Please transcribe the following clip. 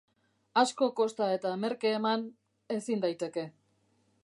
Asko kosta eta merke eman, ezin daiteke.